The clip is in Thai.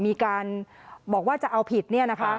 มีการบอกว่าจะเอาผิดเนี่ยนะคะ